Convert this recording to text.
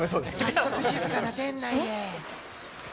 早速静かな店内へ。